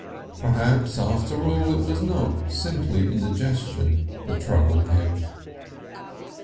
Perhaps after all it was not simply indigestion that troubled him.